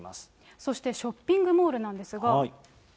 そしてショッピングモールなんですが。